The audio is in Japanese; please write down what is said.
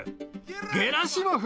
ゲラシモフ！